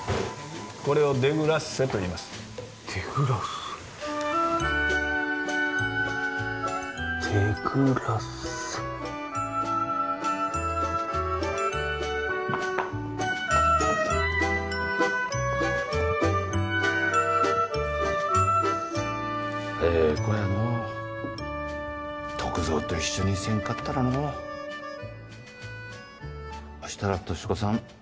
これをデグラッセといいますデグラッセデグラッセええ子やのう篤蔵と一緒にせんかったらのうほしたら俊子さん